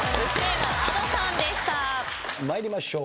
参りましょう。